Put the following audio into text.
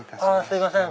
すいません。